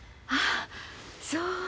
あっそう。